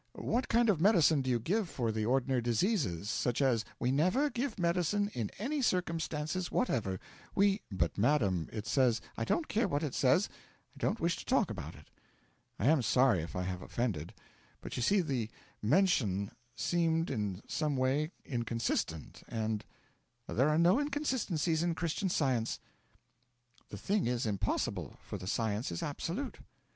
What kind of medicine do you give for the ordinary diseases, such as ' 'We never give medicine in any circumstances whatever! We ' 'But, madam, it says ' 'I don't care what it says, and I don't wish to talk about it.' 'I am sorry if I have offended, but you see the mention seemed in some way inconsistent, and ' 'There are no inconsistencies in Christian Science. The thing is impossible, for the Science is absolute.